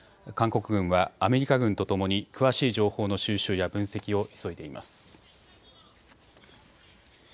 韓国軍はアメリカ軍とともに詳しい情報の収集や分析を急いでいます。